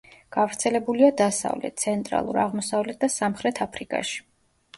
გვარცელებულია დასავლეთ, ცენტრალურ, აღმოსავლეთ და სამხრეთ აფრიკაში.